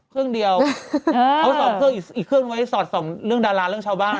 เครื่องเดียวเขาส่องเครื่องอีกเครื่องไว้สอดส่องเรื่องดาราเรื่องชาวบ้าน